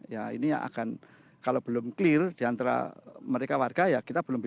ya ini yang akan kalau belum clear diantara mereka warga ya kita belum bisa